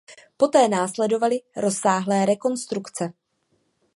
Poté následovaly rozsáhlé rekonstrukce.